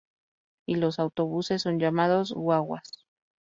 Y los autobuses son llamados "guaguas".